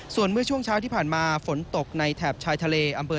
ส่วนเมื่อช่วงเช้าที่ผ่านมาฝนตกในแถบชายทะเลอำเภอ